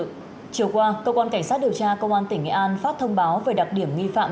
chiều qua cơ quan cảnh sát điều tra công an tỉnh nghệ an phát thông báo về đặc điểm